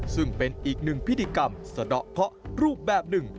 ซึ่งเป็นอีกหนึ่งพิธีกรรมสะดอกเคาะรูปแบบหนึ่ง